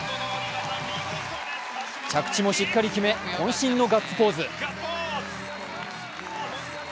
着地もしっかり決め、こん身のガッツポーズ。